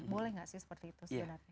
boleh nggak sih seperti itu